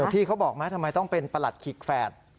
พี่เขาบอกไหมทำไมต้องเป็นประหลัดขีกแฝด